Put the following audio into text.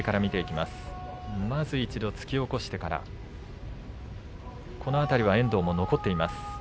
まず一度突き起こしてからこの辺りは遠藤も残っています。